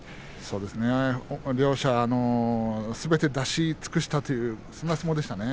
両者すべて出し尽くしたというそんな相撲でした。